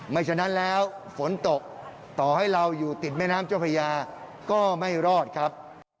ฉะนั้นแล้วฝนตกต่อให้เราอยู่ติดแม่น้ำเจ้าพญาก็ไม่รอดครับ